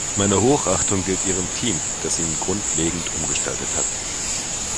Meine Hochachtung gilt Ihrem Team, das ihn grundlegend umgestaltet hat.